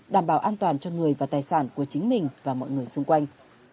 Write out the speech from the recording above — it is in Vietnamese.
đảm bảo an toàn cho người và tài sản của chính mình và mọi người xung quanh